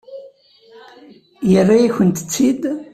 Yerra-yakent-tt-id?